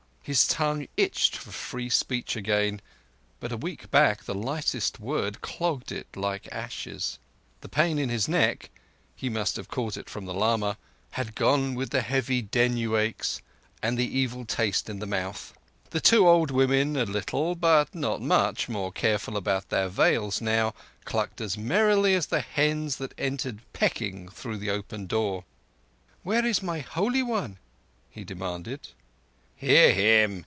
His tongue itched for free speech again, and but a week back the lightest word clogged it like ashes. The pain in his neck (he must have caught it from the lama) had gone with the heavy dengue aches and the evil taste in the mouth. The two old women, a little, but not much, more careful about their veils now, clucked as merrily as the hens that had entered pecking through the open door. "Where is my Holy One?" he demanded. "Hear him!